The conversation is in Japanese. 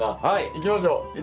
いきましょう。